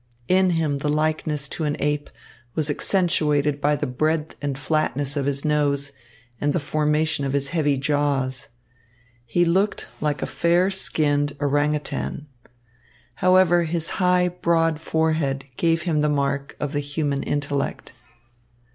In him the likeness to an ape was accentuated by the breadth and flatness of his nose and the formation of his heavy jaws. He looked like a fair skinned orang outang. However, his high, broad forehead gave him the mark of the human intellect.